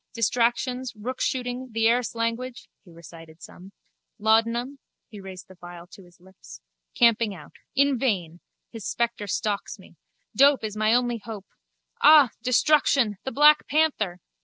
Distractions, rookshooting, the Erse language (he recited some), laudanum (he raised the phial to his lips), camping out. In vain! His spectre stalks me. Dope is my only hope... Ah! Destruction! The black panther!